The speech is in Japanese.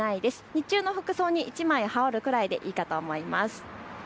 日中の服装に１枚羽織るくらいでいいかと思います。